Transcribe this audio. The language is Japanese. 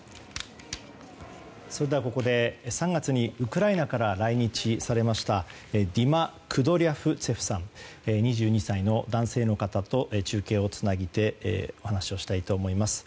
それではここで３月にウクライナから来日されましたディマ・クドリャフツェフさん２２歳の男性の方と中継をつなげてお話をしたいと思います。